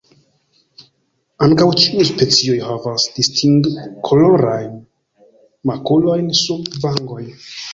Ankaŭ ĉiuj specioj havas distingkolorajn makulojn sur vangoj.